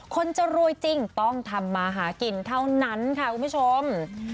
คนจะรวยจริงต้องทำมาหากินเท่านั้นค่ะคุณผู้ชม